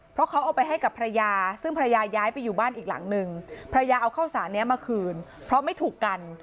เพราะเขาเอาไปให้กับภรรยาซึ่งภรรยาย้ายไปอยู่บ้านอีกหลังนึงภรรยาเอาข้าวสารนี้มาคืนเพราะไม่ถูกกัน